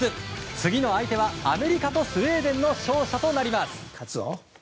次の相手はアメリカとスウェーデンの勝者となります。